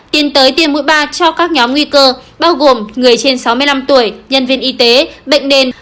tiến tới tiêm mũi ba cho các nhóm nguy cơ bao gồm người trên sáu mươi năm tuổi nhân viên y tế bệnh nền